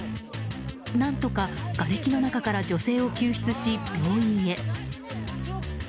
何とか、がれきの中から女性を救出し病院へ。